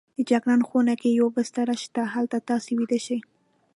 د جګړن په خونه کې یوه بستره شته، هلته تاسې ویده شئ.